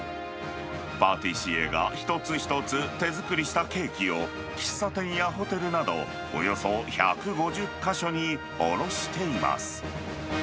パティシエが一つ一つ手作りしたケーキを、喫茶店やホテルなど、およそ１５０か所に卸しています。